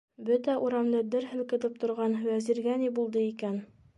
Бөтә урамды дер һелкетеп торған Вәзиргә ни булды икән?